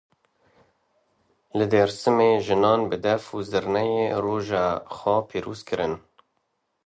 Li Dêrsimê jinan bi def û zirneyê roja xwe pîroz kirin.